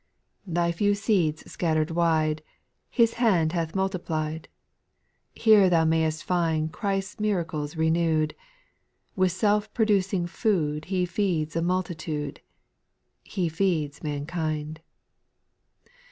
4. Thy few seeds scattered wide, His hand hath multiplied ;— Here thou may'st find Christ's miracles renewed. With self producing food He feeds a multitude — He feeds mankind.